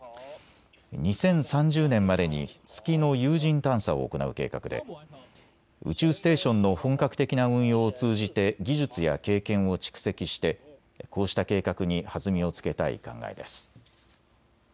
２０３０年までに月の有人探査を行う計画で宇宙ステーションの本格的な運用を通じて技術や経験を蓄積してこうした計画に弾みをつけたい考えです。